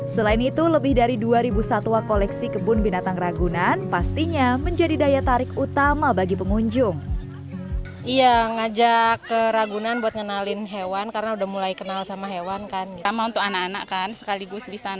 selain itu lebih dari dua satwa koleksi kebun binatang ragunan pastinya menjadi daya tarik utama bagi pengunjung